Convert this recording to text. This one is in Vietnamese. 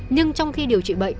nhưng trong khi điều trị bệnh